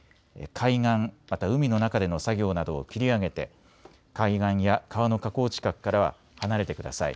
海岸、また海の中での作業などを切り上げて海岸や川の河口近くからは離れてください。